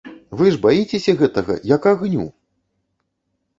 Вы ж баіцеся гэтага, як агню!